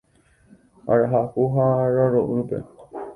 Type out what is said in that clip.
arahaku ha araro'ýpe